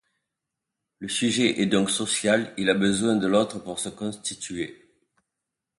Le sujet est donc social, il a besoin de l'autre pour se constituer.